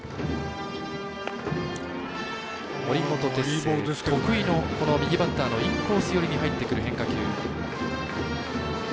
森本哲星、得意の右バッターのインコース寄りに入ってくる変化球。